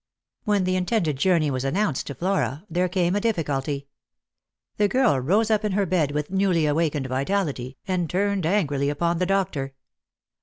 When the intended journey was announced to Flora, there came a difficulty. The girl rose up in her bed with newly awakened vitality, and turned angrily upon the doctor.